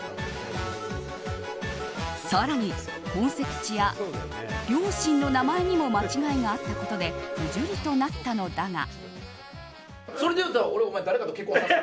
更に本籍地や両親の名前にも間違いがあったことで不受理となったのだが。